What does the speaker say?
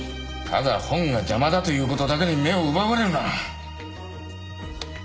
ただ本が邪魔だという事だけに目を奪われるな。